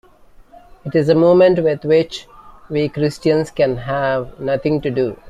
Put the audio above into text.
It is a movement with which we Christians can have nothing to do.